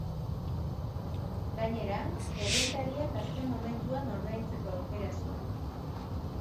Gainera, errentariak azken momentuan ordaintzeko aukera zuen.